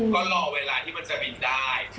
ก็รอเวลาที่มันจะบินได้